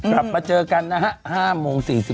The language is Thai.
กลับมาเจอกันนะฮะ๕โมง๔๐